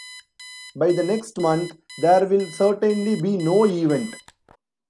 By the next month, there will certainly be no event.